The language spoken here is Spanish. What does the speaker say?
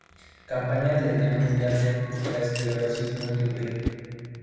Campañas del Día Mundial de la Esclerosis Múltiple